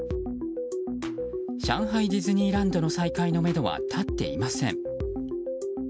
上海ディズニーランドの再開のめどは立っていません。